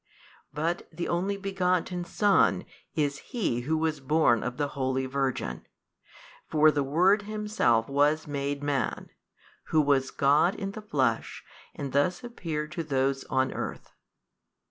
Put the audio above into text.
But the Only Begotten Son is He Who was born of the holy Virgin, for the Word Himself was made Man, Who was God in the flesh and thus appeared to those on earth.